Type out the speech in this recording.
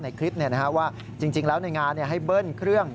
ในคลิปว่าจริงแล้วในงานให้เบิ้ลเครื่อง